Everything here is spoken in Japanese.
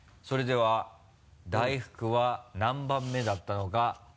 それでは大福は何番目だったのか？